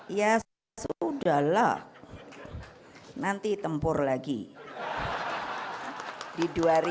ya sudah lah nanti tempur lagi di dua ribu dua puluh